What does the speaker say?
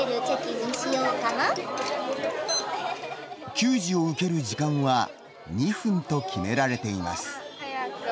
給仕を受ける時間は２分と決められています。